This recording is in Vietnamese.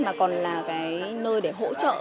mà còn là cái nơi để hỗ trợ